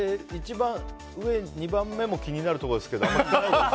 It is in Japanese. １番上、２番目も気になるところですけど。